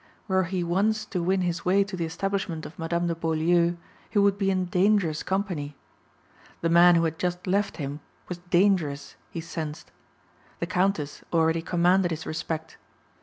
Were he once to win his way to the establishment of Madame de Beaulieu he would be in dangerous company. The man who had just left him was dangerous, he sensed. The Countess already commanded his respect.